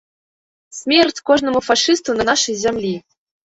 Смерць кожнаму фашысту на нашай зямлі!